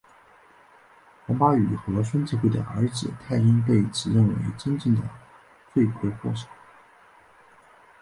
黄巴宇和孙智慧的儿子泰英被指认为真正的罪魁祸首。